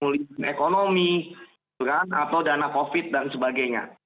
pemulihan ekonomi atau dana covid dan sebagainya